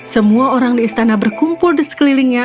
semua orang di istana berkumpul di sekelilingnya